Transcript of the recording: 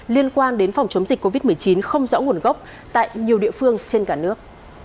liên quan đến phòng chống dịch covid một mươi chín không rõ nguồn gốc tại nhiều địa phương trên cả nước